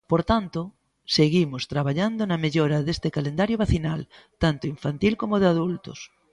Por tanto, seguimos traballando na mellora deste calendario vacinal, tanto infantil como de adultos.